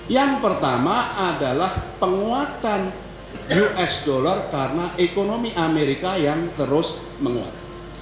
yang pertama adalah penguatan usd karena ekonomi amerika yang terus menguat